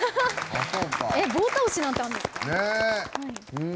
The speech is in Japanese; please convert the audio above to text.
棒倒しなんてあるんですか。